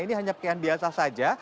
ini hanya pakaian biasa saja